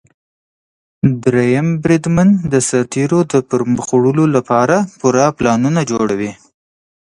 دریم بریدمن د سرتیرو د پرمخ وړلو لپاره پوره پلانونه جوړوي.